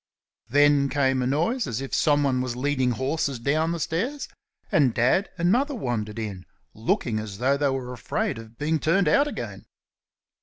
Then came a noise as if someone was leading horses down the stairs, and Dad and Mother wandered in, looking as though they were afraid of being turned out again.